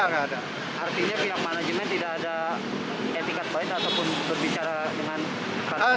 artinya pihak manajemen tidak ada etikat baik ataupun berbicara dengan partai lain